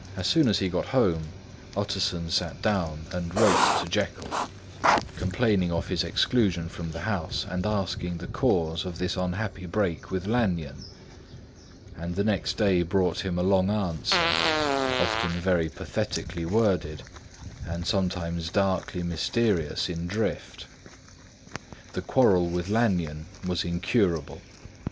As soon as he got home, Utterson sat down and wrote to Jekyll, complaining of his exclusion from the house, and asking the cause of this unhappy break with Lanyon; and the next day brought him a long answer, often very pathetically worded, and sometimes darkly mysterious in drift. The quarrel with Lanyon was incurable.